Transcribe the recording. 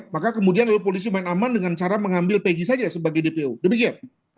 maka kemudian lalu polisi main aman dengan cara mengambil pegi saja sebagai dpo demikian